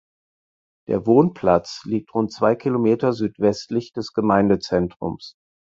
Der Wohnplatz liegt rund zwei Kilometer südwestlich des Gemeindezentrums.